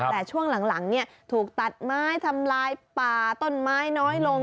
แต่ช่วงหลังถูกตัดไม้ทำลายป่าต้นไม้น้อยลง